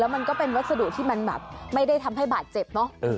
มันก็เป็นวัสดุที่มันแบบไม่ได้ทำให้บาดเจ็บเนอะ